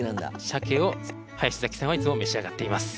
シャケを林崎さんはいつも召し上がっています。